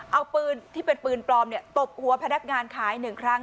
เอาปืนที่เป็นปืนปลอมตบหัวพนักงานขาย๑ครั้ง